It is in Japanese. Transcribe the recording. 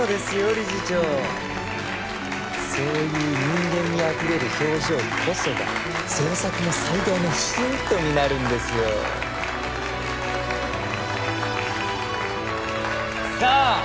理事長そういう人間味あふれる表情こそが創作の最大のヒントになるんですよさあ